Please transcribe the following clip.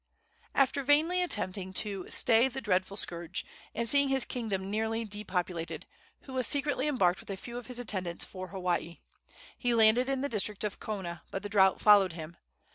After vainly attempting to stay the dreadful scourge, and seeing his kingdom nearly depopulated, Hua secretly embarked with a few of his attendants for Hawaii. He landed in the district of Kona; but the drought followed him.